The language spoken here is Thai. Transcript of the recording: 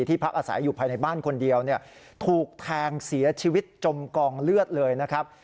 พักอาศัยอยู่ภายในบ้านคนเดียวถูกแทงเสียชีวิตจมกองเลือดเลยนะครับ